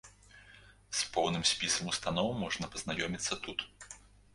З поўным спісам устаноў можна пазнаёміцца тут.